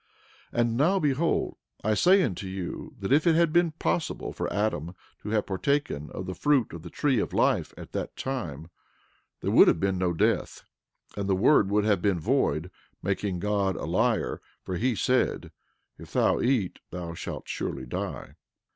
12:23 And now behold, I say unto you that if it had been possible for Adam to have partaken of the fruit of the tree of life at that time, there would have been no death, and the word would have been void, making God a liar, for he said: If thou eat thou shalt surely die.